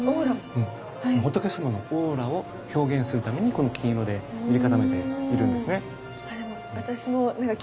仏さまのオーラを表現するためにこの金色で塗り固めているんですね。